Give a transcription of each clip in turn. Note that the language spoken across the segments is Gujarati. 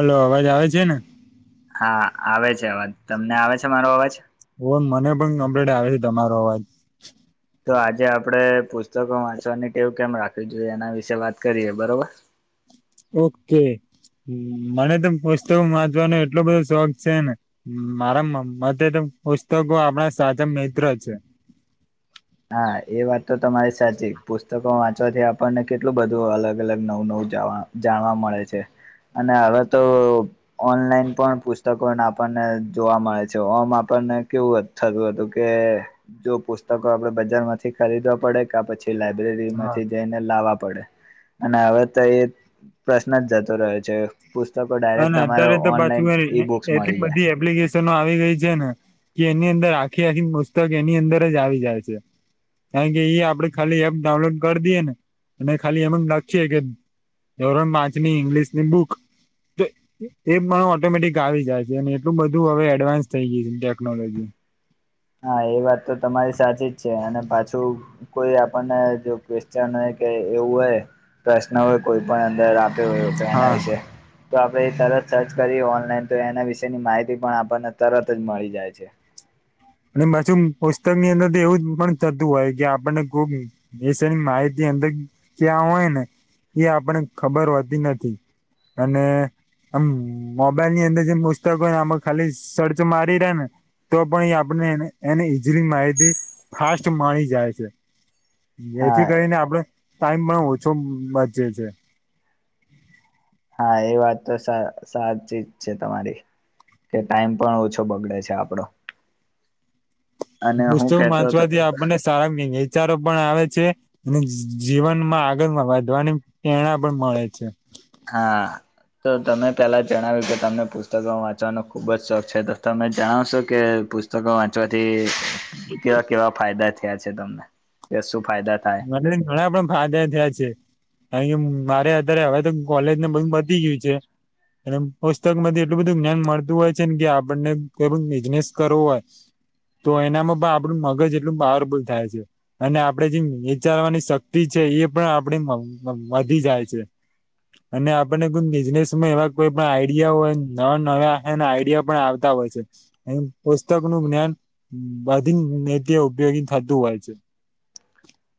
હલો અવાજ આવે છે ને હા આવે છે અવાજ તમને આવે છે મારો અવાજ ઓ મને પણ કમ્પ્લેટ આવે છે તમારો અવાજ તો આજે આપડે પુસ્તકો વાંચવાની ટેવ કેમ રાખવી જોઈએ એના વિશે વાત કરીએ બરોબર [inaudible] ઓકે મને તો પુસ્તકો વાંચવાનો એટલો બધો શોખ છે ને મારા મ્મ તે પુસ્તકો આપણા સાચા મિત્ર છે હા એ વાત તો તમારી સાચી પુસ્તકોમાં જેથી આપણને કેટલું બધું અલગ અલગ નવું નવુંવા [unintelligible] જાણવા મળે છે અને હવે તો ઓનલાઈન પણ પું પુસ્તકોને આપણને જોવા મળે છે ઓમ આપણને કેવું થતું હતું કે જો પુસ્તક આપડે બજાર માંથી ખરીદવા પડે ક પછી લાયબ્રેરી હા માંથી જઈને લાવા પડે અને હવે તો એ પ્રશ્ન જ જતો રહ્યો છે પુસ્તકો હા ડાયરેક્ટ તમારે અત્યારે તો ઓનલાઈન પાછું ઈ બુક્સ મળી એટલી જાય બધી એપ્લિક આવી ગઈ છે ને કે એની અંદર આખી આખી પુસ્તક એની અંદર જ આવી જાય છે કારણ કે એ આપડે ખાલી એપ ડાઉનલોડ કરી દઈએ ને અને ખાલી એમ લખી કે એવરણ પાંચની ઇંગ્લિશની બુક એ પણ ઓટોમેટિક આવી જાય છે અને એટલું બધું હવે એડવાન્સ થઈ ગયું છે ટેકનોલોજી હા એ વાત તો તમારી સાચી જ છે અને પાછું કોઈ આપણને જો ક્વેશચન કે એવું હોય પ્રશ્ન હોય કોઈ પણ અંદર આપ્યો હોય તો એના હા વિશે તો આપણે તરત સર્ચ કરીએ ઓનલાઈન તો એના વિશેની માહિતી પણ આપણને તરત જ મળી જાય છે અને પાછી પુસ્તક ની અંદર તો એવું પણ થતું હોય કે આપણને ખુબની માહિતી ની અંદર ક્યાં હોય ને એ આપણે ખબર હોતી નથી અને આમ મોબાઈલની અંદર જે પુસ્તકો આમાં ખાલી સર્ચ મારી રહ્યા ને તો પણ આપ આપ એને ઈઝીલી માહીતી ફાસ્ટ મળી જાય છે હા એથી કરીને આપડે ટાઈમમાં ઓછો મજે છે. હા એ વાત તો સા સાચી જ છે તમારી કે ટાઈમ પણ ઓછો બગડે છે આપડો અને હું પુસ્તક કેતો હતો વાંચવાથી આપણને સારા નચારો પણ આવે છે અને જી-જીવનમાં આગળમાં વધવાની પ્રેરણા પણ મળે છે હા તો તમે પહેલા જણાવ્યું કે તમને પુસ્તકો વાંચવાનો ખુબ જ શોખ છે તો તમે જણાવશો કે પુસ્તકો વાંચવાથી કેવા કેવા ફાયદા થયા છે તમને ફાયદા થાય મને ઘણા પણ ફાયદા થયા છે કે મારે અત્યારે હવે તો કોલેજને બધુ પતી ગયું છે એ પુસ્તકમાંથી એટલું બધું જ્ઞાન મળતું હોય છે ને કે આપણને કોઈ પણ બિઝનેસ કરવો હોય તો એનામાં પણ આપડું મગજ એટલું પાવરફુલ થાય છે અને આપડે જે વિચારવાની શક્તિ છે એ પણ આપડી વધી જાય છે અને આપણને કોઇ બિઝનેસમાં એવા કોઈ પણ આઈડિયા હોય નવા નવા આઈડિયા પણ આવતા હોય છે એ પુસ્તક નું જ્ઞાન બધીય ઉપયોગી થતું હોય છે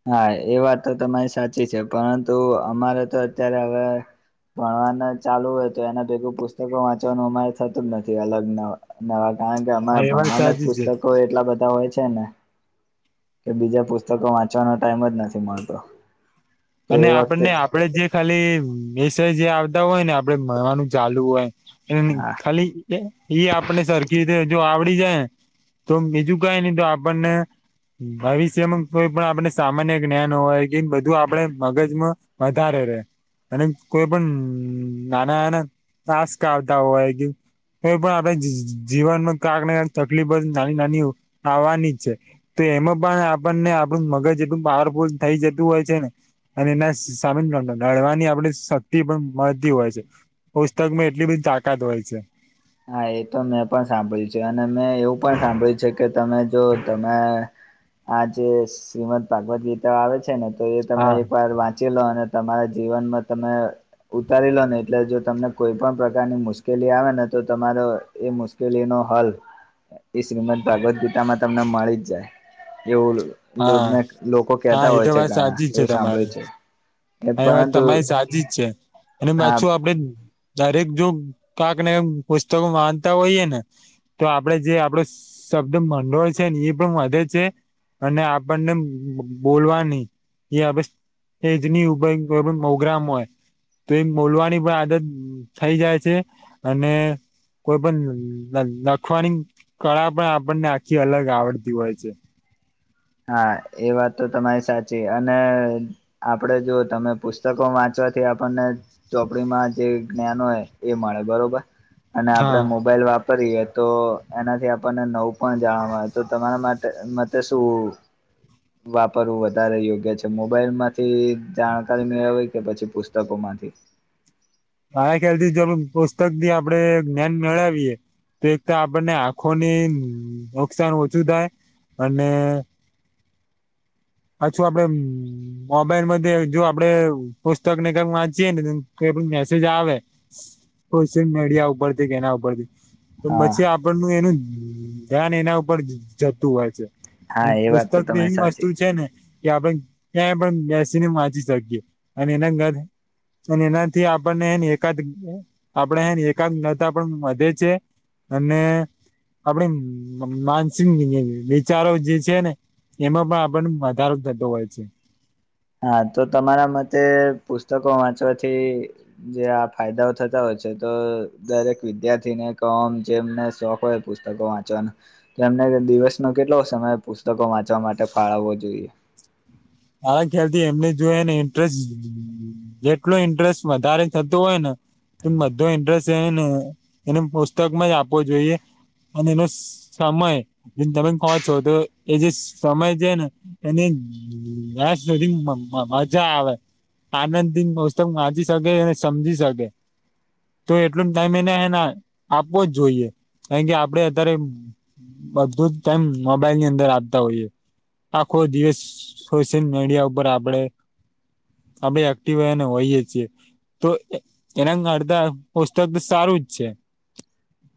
હા એ વાત તો તમારી સાચી છે પરંતુ અમારે તો અત્યારે હવે ભણવાનું ચાલુ હોય તો એના ભેગું પુસ્તકો વાંચવાનું અમારે થતું જ નથી અલગ નવા કારણ કે હા અમારા એ વાત ભણાવાના જ સાચી છે પુસ્તકો એટલા બધા હોય છે ને કે બીજા પુસ્તકો વાંચવાનો ટાઈમ જ નથી મળતો તો અને એ વખતે આપણને આપડે જે ખાલી વિષય જે આવતા હોય ને આપડે ભણવાનું ચાલુ હોય એ હા ખાલી એ આપણે સરખી રીતે જો આવડી જાય તો બીજું કઈ નહી તો આપણને ભવિષ્યમાં કોઈ પણ આપણે સામાન્ય જ્ઞાન હોય કે બધું આપણે મગજમાં વધારે રે. અને કોઈ પણ નાના નાના ટાસ્ક આવતા હોય કે કો પણ આપણે ઝી જીવનમાં કાક ને કાક તકલીફ જ નાની નાની આવવાની જ છે ત એમાં પણ આપણને આપણું મગજ એટલું પાવરફુલ થઈ જતું હોય છે ને અને એના સામે નડ નડવાની આપણે શક્તિ પણ મળતી હોય છે. પુસ્તકમાં એટલી બધી તાકાત હોય છે. હા એ તો મેં પણ સાંભળ્યું છે અને મેં એવું પણ સાંભળ્યું છે કે તમે જો તમે આ જે શ્રીમદ ભાગવત ગીતા આવે છે ને તો એ તમે હા એક વાર વાંચ ચી લો અને તમારા જીવનમાં તમે ઉતારી લો ને એટલે જો તમને કોઈ પણ પ્રકારની મુશ્કેલી આવે ને તો તમારો એ મુશ્કેલી નો હલ એ શ્રીમદ ભાગવદગીતામાં તમને મળી જ જાય. એવું હા લોકો હા કેતા એ હોય છે ઘણા એવું સાંભળે છે. હા એ વાત પરંતુ તમારી સાચી જ છે અને હા પાછું આપણે દરેક જો કાક ને પુસ્તકો માનતા હોઈયે ને તો આપડે જે આપડ શબ્દ મંડોય છે ને એ પણ વધે છે. અને આપણને બો બોલવાની એ હ [unintelligible] ની ઉ [unintelligible] પ્રોગ્રામ હોય. તો એ બોલવાની પણ આદત થઈ જાય છે અને કોઈ પણ લખવાની કળા પણ આપણને આખી અલગ આવડતી હોય છે. હા એ વાત તો તમારી સાચી અને આપણે જો તમે પુસ્તકો વાંચ વાથી આપણને ચોપડીમાં જે જ્ઞાન હોય એ મળે બરોબર. અને હા આપણેે મોબાઈલ વાપ કરીએ તો એનાથી આપણને નવ પણ જાણવામાં આવે તો તમારા માટ માટે શું [inaudible] વાપરવું વધારે યોગ્ય છે, મોબાઈલ માંથી જાણકારી મેળવી કે પછી પુસ્તકો માંથી. [unintelligible] મારા ખ્યાલથી જો પુસ્તકથી આપડે જ્ઞાન મેળવીએ. એક તો આપણને આંખોને નુકસાન ઓછું થાય અને. હછું આપણે મોબાઈલ મ જો આપડે પુસ્તક ને કઈ વાંચીયે નેઈ મેસેજ આવે [unintelligible] તો હા પછી આપણનું એનું ધ્યાન એના ઉપર જ જતું હોય છે. હા એ વાત તો પુસ્તકની તમે એવી વસ્તુ સાચી છે ને કે આપણે ક્યાંય પણ બેસીને વાંચી શકીએ અને એના કારણે અને એનાથી આપણને એકાદ આપણે એકાદ નતા પણ વધે છે. અને આપડ માનસ વિચારો જે છે ને એમાં પણ આપણ સારું જ થતું હોય છે. હા તો તમારા મતે પુસ્તકો વાંચવાથી જે આ ફાયદાઓ થતા હોય છે તો દરેક વિદ્યાર્થીને ઓમ જેમને શોખ હોય પુસ્તકો વાંચવાનો તેમ દિવસનો કેટલો સમય પુસ્તકો વાંચવા માટે ફાળવવો જોઈએ? હા ખ્યાલ થી એમને જોય ને ઇન્ટરેસ્ટ જેટલો ઇન્ટરેસ્ટ વધારે થતો હોય ને બધો ઇન્ટરેસ્ટ ને એને પુસ્તકમાં જ આપવો જોઈએ. અને એનો સમય જે તમે કહો છો તો એ જે સમય છે ને એને હ બસ સુધી મજા આવે. આનંદ મોત્તવ વાંચી શકે અને સમજી શકે. તો એટલું ટાઈમ એને હેને આપવો જ જોઈએ. કારણ કે આપડે અત્યારે બધું જ ટેમ મોબાઈલની અંદર આપતા હોઈએ. આખો દિવસ સોશિયલ મીડિયા ઉપર આપડે. આ ભાઈ એક્ટિવ ને હોયએ જ છીએ. તો એના અડધા પુસ્તક તો સારું જ છે.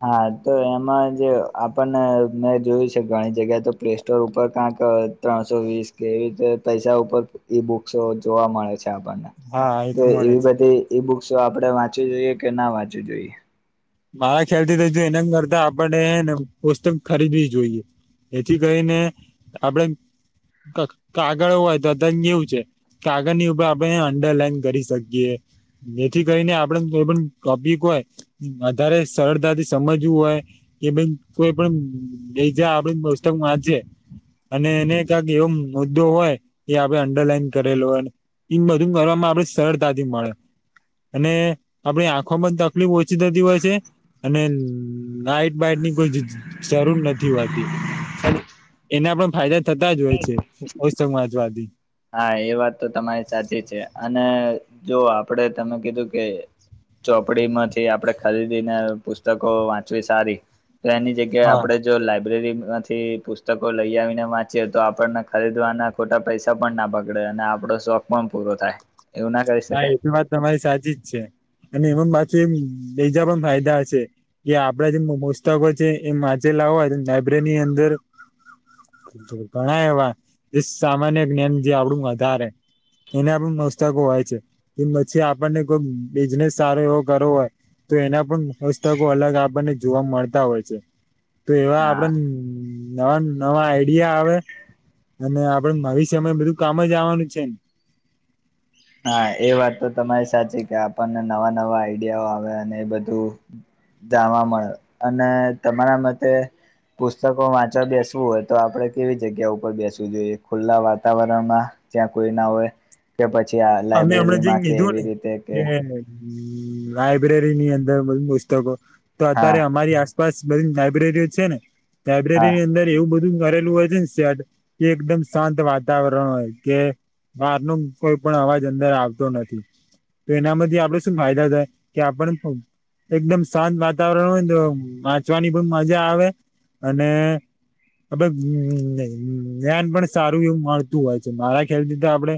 હા તો એમાં જ આપણને મેં જોયું છે, ઘણી જગ્યાએ તો પ્લે સ્ટોર ઉપર કા ત્ર ત્રણસો વીસ કે એવી રીતે પૈસા ઉપર ઈ બુક્સો જોવા મળે છે. હા એ તો મળે એવી છે બધી [unintelligible] આપણે વાંચવી જોઈએ કે ના વાંચવું જોઈએ. મારા ખ્યાલથી [unintelligible] એના કરતા આપડે હેને પુસ્તક ખરીદવી જોઈએ. એથી કઈને આપડે કગ કાગળ હોય તો [unintelligible] એવું છે, કાગળ ની ઉપર આપણે અંડરલાઈન કરી શકીએ. જેથી કરીને આપડે કોઈ પણ ટોપિક હોય. વધારે સરળતા થી સમજવું હોય [inaudible] વાંચે અને એને [unintelligible] [unintelligible] મુદ્દો હોય કે આપડે અંડરલાઈન કરેલો હોય. [unintelligible] બધું કરવામાં આપડે સરળતાથી મળે અને આપડી આંખોમાં તકલીફ હો [unintelligible] હોય છે, અને લાઈટ બાઈટની કોઈ જરૂર નથી હોતી. અને એના પણ ફાયદા થતા જ હોય છે [unintelligible] હા એ વાત તો તમારી સાચી છે, અને જો આપડે તમે કીધું કે. ચોપડીમાંથી આપણેે ખરીદીને પુસ્તકો વાંચવી સારી. તો એની જગ્યાએ હા આપડે જો લાયબ્રેરી. થી પુસ્તકો લઈ આવીને વાંચે તો આપણને ખરીદવાના ખોટા પૈસા. [unintelligible] પણ ના બગડે અને આપડો શોખ પણ પૂરો થાય. એવું ના કરી હા શકાય એ તો વાત તમારી સાચી જ છે, અને. [unintelligible] પાછું એમ બીજા પણ ફાયદા હ છે, કે આપડા જેમ મસ્તકો છે, એમ [unintelligible] લાવવા. લાયબ્રેરીની અંદર [inaudible] ઘણા એવા જે સામાન્ય જ્ઞાન જે આપડું વધારે. એના પણ મસ્તકો હોય છે, કે પછી આપણને કોઈ બિઝનેસ સારો એવો કરવો હોય. તો એના પણ હસ્તકો અલગ આપણને જોવા મળતા હોય છે. તો એવા હા આપડે નવા નવા આઈડિયા આવે અને આપડે ન સમય બધું કામ જવાનું છે હા એ વાત તો તમારી સાચી કે આપણને નવા નવા આઈડિયાઓ આવે અને એ બધું જાવા મળે અને તમારા મતે. પુસ્તકો વાંચવા બેસવું હોય તો આપડણે કેવી જગ્યા ઉપર બેસવું જોઈએ ખુલ્લા વાતાવરણમાં. ત્યાં કોઈ ના હોય કે પછી આ અમે હમણાં જે લાઈબ્રેરીમાં કે કીધું એવી ને રીતે કે. લાયબ્રેરીની અંદર બધી પુસ્તકો તો હા અત્યારે અમારી આ પાસ બધી લાયબ્રેરીઓ છે, ને. હા લાયબ્રેરીની અંદર એવું બધું કરેલું હોય છે, ને શેટ એ એકદમ શાંત વાતાવરણ હોય કે બારનું કોઈ. પણ અવાજ અંદર આવતો નથી તો એનામાંથી આપડે શું ફાયદા થાય કે આપણ. એકદમ શાંત વાતાવરણ હોય ને તો વાંચવાની પણ મજા આવે અને. [unintelligible] જ્ઞાન પણ સારું મળતું હોય છે, મારા ખ્યાલ થી તો આપડે.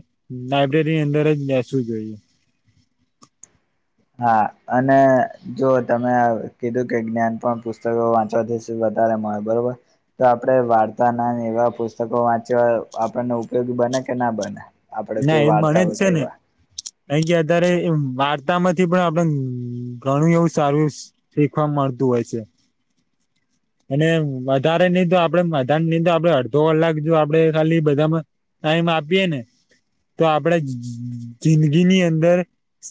લાયબ્રેરીની અંદર જ બેસવું જોઈએ. હા અને જો તમે કીધું કે જ્ઞાન પણ પુસ્તકો વાંચવાથી [unintelligible] બરોબર તે આપડે વાર્તા ના એવા પુસ્તકો [unintelligible] ઉપયોગી બ ન કે ના બને આપડે કોઈ વાર્તા હોય કેવા. [unintelligible] વાર્તા માંથી પણ આપડ ઘણું એવું સારું શીખવા મળતું. હોય છે. અને વધારે નહી તો આપડે વધા નહી તો આપડે અડધો કલાક જો આપડણે ખાલી બધામાં. ના મા બી એ ને તો આપડે જિંદગીની અંદર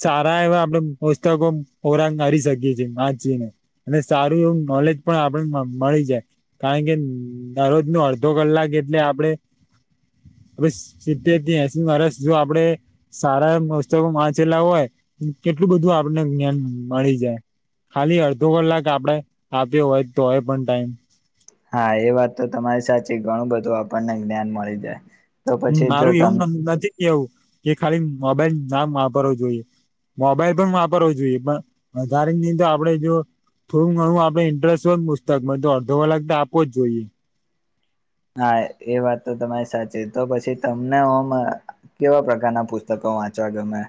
સારા એવા આપણે પુસ્તકો. રાંગ હરી શકીએ છીએ વાચી ને અને સારું એવું નોલેજ પણ આપડ મળી જાય કારણ કે દરરોજ નો અડધો કલાક જેટલે આપડે હમ [unintelligible] અ સીધધ [unintelligible] જે માણસ જો આપડે સારા પુસ્તકો વાંચેલા હોય કેટલું બધું આપને જ્ઞાન મણે મળી જાય ખાલી અડધો કલાક આપડે આપ્યો હોય તોય હોય પણ ટાઈમ હા એ વાત તો તમારી સાચી ઘણું બધું આપણને જ્ઞાન મળી જાય તો હ પછી જો મારું એવું તમ નથી કેવું કે ખાલી મોબાઈલ નામ વાપરવું જોઈએ મોબાઈલ પણ વાપરવો જોઈએ, પણ વધારેની તો આપણેે જો થોડું ઘણું આપડે ઇન્ટરેસ્ટ હોય મસ્તક મળ તો અડધો કાખ તો આપો જ જોઈએ હા એ વાત તો તમારી સાચી તો પછી તમને હમ કેવા પ્રકારના પુસ્તકો વાંચવા ગમે.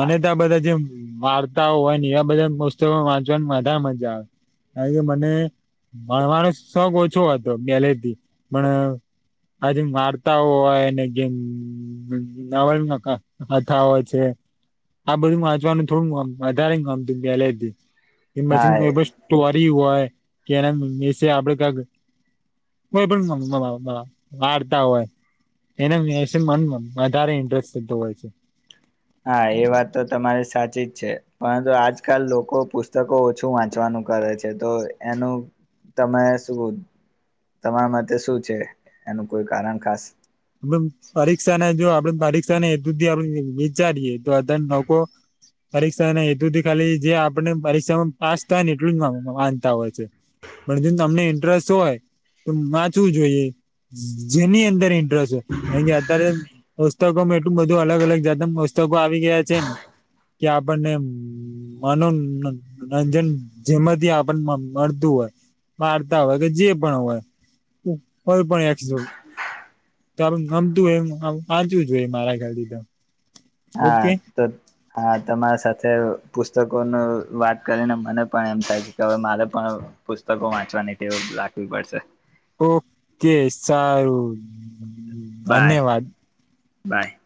અને ત્યાં બધા જેમ વાર્તાઓ હોય ને એ બધા પસ્તકમાં વાંચવાની બધા મજા આવે કારણ કે મને ભણવાનો શોખ ઓછો હતો પહેલે થી પણ હજ વાર્તાઓ હોય જેમ નવલકથામાં કથા હોય છે આ બધું વાંચવાનું થોડું અમ વધારે ગમતું પેલેથી. એ હા મશીન બસ તુરી હઆ [unintelligible] હૈ કે ના સે આપડે તક [unintelligible] કોઈ પણ વાર્તા હોય એના મેસે મનમાં વધારે ઇન્ટરેસ્ટ થતો હોય છે હા એ વાત તો તમારી સા ઠીક છે પરંતુ આજકાલ લોકો પુસ્તકો ઓછુ વાંચવાનું કરે છે તો એનુ તમે શું તમારા માટે શું છે એનું કોઈ કારણ ખાસ? પરીક્ષા ના જો આપડે પરી ને દુધી આપ વિચારીએ તો બધા લોકો પરીક્ષા ના હેતુથી ખાલી જે આપણ નેપરીક્ષામાં પાસ થાય ને એટલું જ માંનતા હોય છે પણ જો તમને ઇન્ટરેસ્ટ હોય તો વાંચવું જોઈએ. જેની અંદર ઇન્ટરેસ્ટ કે અત્યારે પુસ્તકોમાં એટલું બધું અલગ અલગ જાત ના પુસ્તકો આવી ગયા છે ને કે આપણને મનોનોરંજન જેમાંથી આપણને મળતું હોય વાર્તા હોય કે જે પણ હોય કોઈ પણ તમ ગમતું હોય એમ વાચવું જોઈએ મારા ખ્યાલતી તો હા ઓકે તો હા તમારા સાથે પુસ્તકો ન વાત કરીને મને પણ એમ થાય છે કે હવે મારે પણ પુસ્તકો વાંચવાની તેવ રાખવી પડશે ઓકે, સારું બાય ધન્યવાદ. બાય.